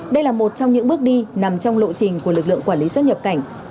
đây là một trong những bước đi nằm trong lộ trình của lực lượng quản lý xuất nhập cảnh